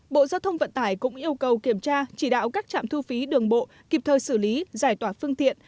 bộ giao thông vận tải cũng yêu cầu kiểm tra chỉ đạo các trạm thu phí đường bộ kịp thời xử lý giải tỏa phương tiện